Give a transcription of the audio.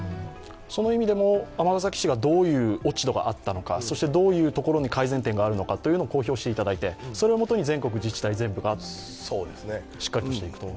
その意味でも尼崎市がどういう落ち度があったのかそしてどういうところに改善点があるのかというのを公表していただいて、それをもとに全国自治体しっかりとしていくと。